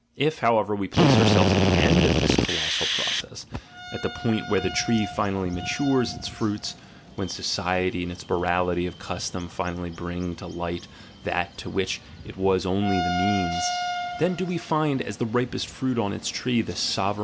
If, however, we place ourselves at the end of this colossal process, at the point where the tree finally matures its fruits, when society and its morality of custom finally bring to light that to which it was only the means, then do we find as the ripest fruit on its tree the sovereign * The German is : "Sittlichkeit der Sitte."